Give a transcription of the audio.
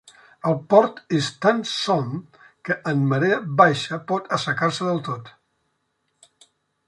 El port és tan som que en marea baixa pot assecar-se del tot.